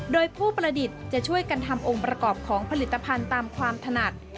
โดยผู้ประดิษฐ์จะช่วยกันทำองค์ประกอบของผลิตภัณฑ์ตามความถนัด